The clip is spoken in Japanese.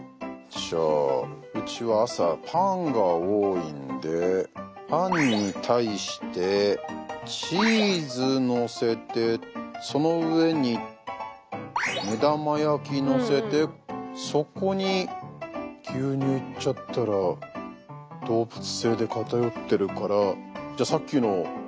じゃあうちは朝パンが多いんでパンに対してチーズのせてその上に目玉焼きのせてそこに牛乳いっちゃったら動物性で偏ってるからこれいきますよね？